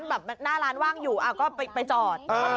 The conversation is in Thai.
แบบหน้าร้านว่างอยู่ก็ไปจอด